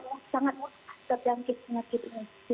ini sangat mudah terjangkit terjangkit ini